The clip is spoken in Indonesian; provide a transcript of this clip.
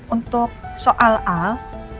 untuk soal al